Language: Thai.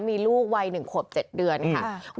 มีลูกวัย๑ขวบ๗เดือนค่ะ